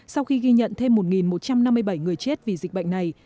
sau khi ghi nhận thêm một một trăm năm mươi bảy người chết vì dịch bệnh này